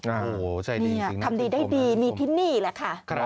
โอ้โฮใช่ดีจริงนะครับผมนี่ทำดีได้ดีมีทิ้นนี่แหละค่ะ